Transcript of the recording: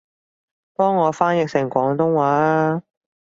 幫我翻譯成廣東話吖